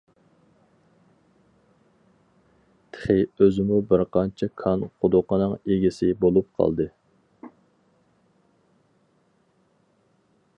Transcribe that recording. تېخى ئۆزىمۇ بىرقانچە كان قۇدۇقىنىڭ ئىگىسى بولۇپ قالدى.